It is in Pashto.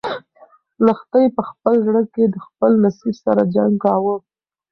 لښتې په خپل زړه کې د خپل نصیب سره جنګ کاوه.